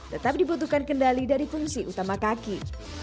tetap dibutuhkan kendali dari fungsi utama kaki